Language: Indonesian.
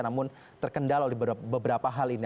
namun terkendal oleh beberapa hal ini